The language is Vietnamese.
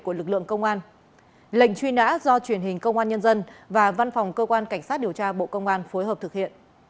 cảm ơn quý vị đã theo dõi và hẹn gặp lại